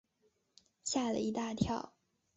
吓了一大跳